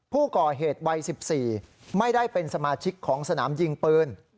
ผู้ก่อเหตุวัย๑๔ไม่ได้เป็นสมาชิกของสนามยิงปืน